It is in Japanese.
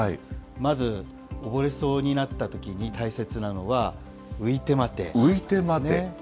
まず溺れそうになったときに大切なのは、ういてまて。